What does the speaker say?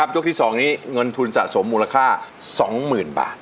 ยกที่๒นี้เงินทุนสะสมมูลค่า๒๐๐๐บาท